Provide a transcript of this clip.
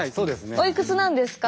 おいくつなんですか？